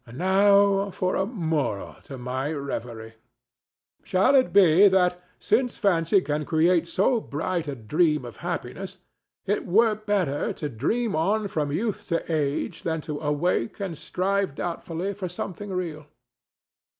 And now for a moral to my reverie. Shall it be that, since fancy can create so bright a dream of happiness, it were better to dream on from youth to age than to awake and strive doubtfully for something real?